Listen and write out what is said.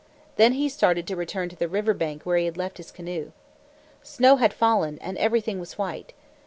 Then he started to return to the river bank where he had left his canoe. Snow had fallen, and everything was white.